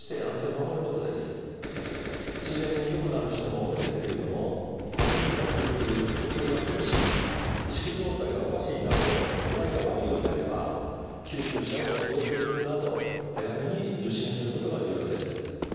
自然によくなる人も多いんですけれども高熱が続く呼吸が苦しい意識状態がおかしいなど具合が悪いようであれば救急車を要請するなど早めに受診することが重要です。